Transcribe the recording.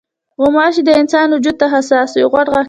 غوماشې د انسان وجود ته حساس وي.